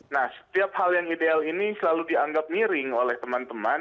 nah setiap hal yang ideal ini selalu dianggap miring oleh teman teman